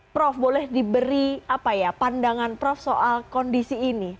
prof boleh diberi pandangan prof soal kondisi ini